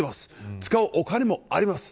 使うお金もあります。